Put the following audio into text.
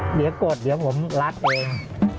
เดี๋ยวกดเดี๋ยวผมรัดเอง